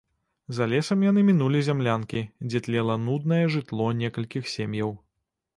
За лесам яны мінулі зямлянкі, дзе тлела нуднае жытло некалькіх сем'яў.